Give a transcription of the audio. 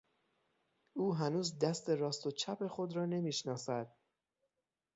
او هنوز دست راست و چپ خود را نمیشناسد.